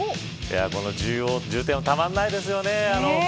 この重低音たまらないですよね。